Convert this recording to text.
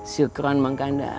syukuran mak kandar